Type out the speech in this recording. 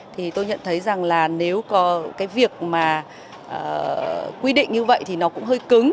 thì tôi nhận thấy rằng là nếu có cái việc mà quy định như vậy thì nó cũng hơi cứng